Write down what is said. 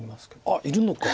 あっいるのか！